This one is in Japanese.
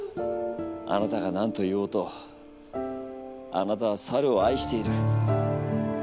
あなたが何と言おうとあなたはサルを愛している。